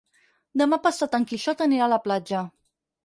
Demà passat en Quixot anirà a la platja.